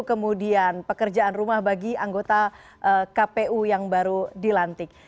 kemudian pekerjaan rumah bagi anggota kpu yang baru dilantik